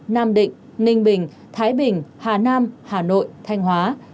nam định ninh bình thái bình hà nam hà nội thanh hóa